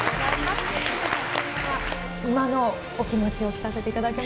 今のお気持ちを聞かせていた